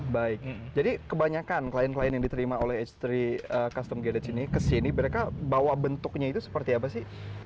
baik jadi kebanyakan klien klien yang diterima oleh h tiga custom garage ini ke sini mereka bawa bentuknya itu seperti apa sih